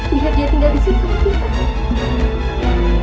biar dia tinggal disini sama kita